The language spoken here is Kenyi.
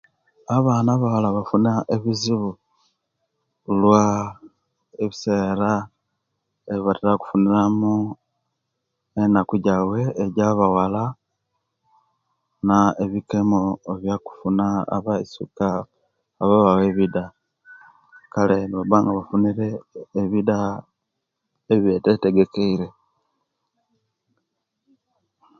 Abaana abawala bafuna ebizibu kulwa ebisera ebatira okufunira mu enaku jaibwe ejabawala na ebikwmo ebya kufuna abaisuka babawa ebida kale nibaba nga bafunire ebida ebibetegekeire